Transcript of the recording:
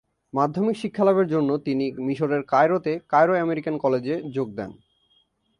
মাধ্যমিক শিক্ষালাভের জন্য তিনি মিশরের কায়রোতে কায়রো আমেরিকান কলেজে যোগ দেন।